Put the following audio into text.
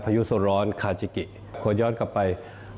พายุส่วนร้อนคาจิกิคนย้อนกลับไป